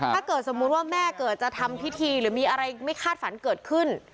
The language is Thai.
ถ้าเกิดสมมุติว่าแม่เกิดจะทำพิธีหรือมีอะไรไม่คาดฝันเกิดขึ้น